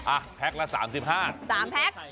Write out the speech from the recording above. อ่ะแปลกละ๓๕บาท๓แปลก